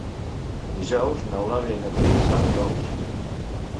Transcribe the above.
Dijous n'Eulàlia i na Thaís van a Tous.